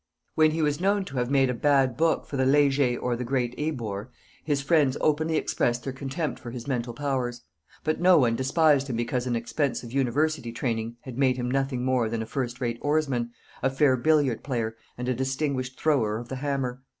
When he was known to have made a bad book for the Leger or the Great Ebor, his friends openly expressed their contempt for his mental powers; but no one despised him because an expensive university training had made him nothing more than a first rate oarsman, a fair billiard player, and a distinguished thrower of the hammer.